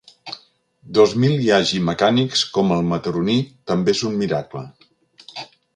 Dos mil hi hagi mecànics com el mataroní també és un miracle.